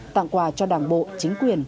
tặng quà cho đảng bộ chính quyền